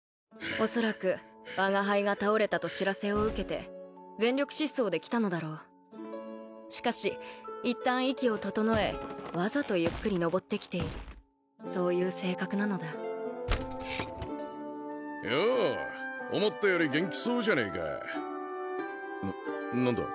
恐らく我が輩が倒れたと知らせを受けて全力疾走で来たのだろうしかし一旦息を整えわざとゆっくりのぼってきているそういう性格なのだよう思ったより元気そうじゃねえかな何だ？